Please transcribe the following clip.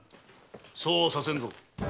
そうはさせぬぞ。